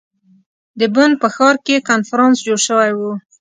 د بن په ښار کې کنفرانس جوړ شوی ؤ.